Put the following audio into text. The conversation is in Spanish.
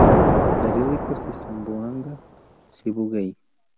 Periódicos de Zamboanga-Sibuguey